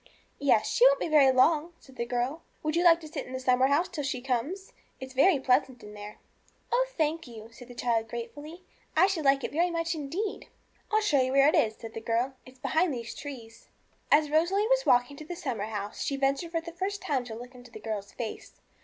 'Yes, she won't be very long,' said the girl. 'Would you like to sit in the summer house till she comes I it's very pleasant there.' 'Oh, thank you,' said the child gratefully; 'I should like it very much indeed.' 'I'll show you where it is,' said the girl; 'it's behind these trees.' As Rosalie was walking to the summer house, she ventured for the first time to look into the girl's face.